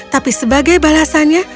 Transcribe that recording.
tapi sebagai balasannya